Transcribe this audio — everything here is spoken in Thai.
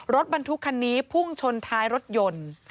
รถบรรทุกคันนี้พุ่งชนท้ายรถยนต์